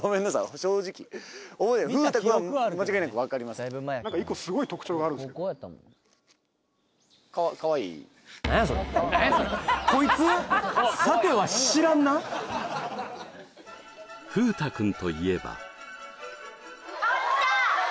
正直風太君といえばああ！